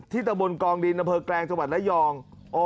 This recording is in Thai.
ที่ตะบลกองดินระเบิกแกรงจังหวัดระยอง